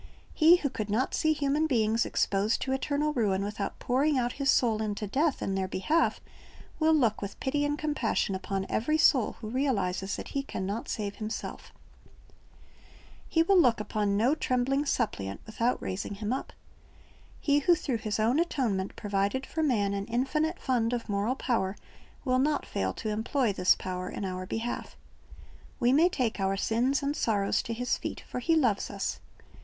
He who could not see human beings exposed to eternal ruin without pouring out His soul unto death in their behalf, will look with pity and com passion upon every soul who realizes that he can not save himself The craiuitig 0/ the cock reminded him 0/ the words of Christ/' He will look upon no trembling suppliant without raising him up. He who through His own atonement provided for man an infinite fund of moral power, will not fail to employ this power in our behalf We may take our sins and sorrows to His feet; for He loves us.